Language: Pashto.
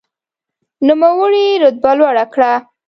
نوموړي رتبه لوړه کړه.